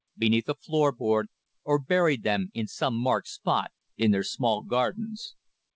beneath a floor board, or buried them in some marked spot in their small gardens.